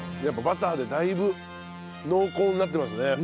やっぱバターでだいぶ濃厚になってますね。